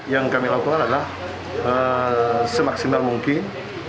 yang kami lakukan adalah semaksimal mungkin